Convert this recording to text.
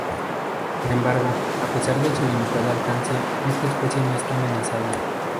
Sin embargo, a pesar de su limitado alcance, esta especie no está amenazada.